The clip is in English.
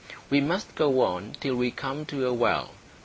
We must go on till we come to a well.